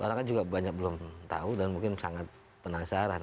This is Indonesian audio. orang kan juga banyak belum tahu dan mungkin sangat penasaran